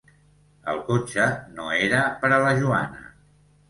El cotxe no era per a la Joana.